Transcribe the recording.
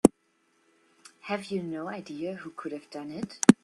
Have you no idea who could have done it?